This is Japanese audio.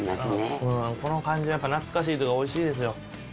この感じ懐かしいというか美味しいですよ。